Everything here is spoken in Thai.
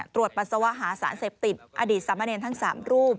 ตรวจปรัสสวะหาสารเสพติดอดีตสามะเนญทั้งสามรูป